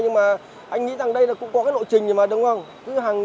nhưng mà anh nghĩ rằng đây là cũng có cái lộ trình mà đúng không